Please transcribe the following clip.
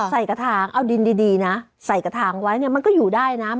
ใส่กระถางเอาดินดีนะใส่กระถางไว้เนี่ยมันก็อยู่ได้นะ